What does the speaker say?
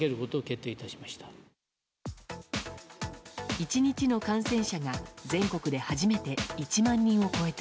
１日の感染者が全国で初めて１万人を超えた